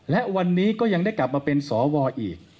และวันนี้ก็ยังได้กลับมาเป็นสวอีก